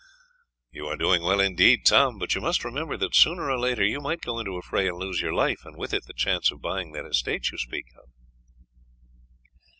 "You are doing well indeed, Tom, but you must remember that sooner or later you might go into a fray and lose your life, and with it the chance of buying that estate you speak of."